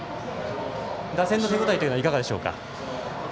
打線の手応えはいかがでしょうか。